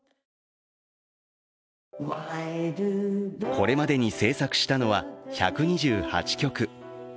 これまでに制作したのは１２８曲。